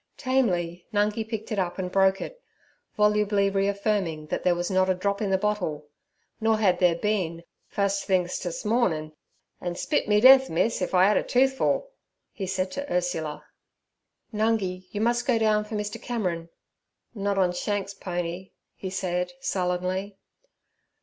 Tamely Nungi picked it up and broke it, volubly reaffirming that there was not a drop in the bottle, nor had there been 'fust thing ters mornin'; an' spit me death, miss, if I 'ad a toothful' he said to Ursula. 'Nungi, you must go down for Mr. Cameron.' 'Not on Shanks's pony' he said sullenly.